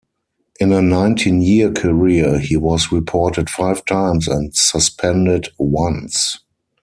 In a nineteen-year career, he was reported five times and suspended once.